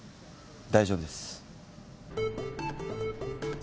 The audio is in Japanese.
大丈夫です。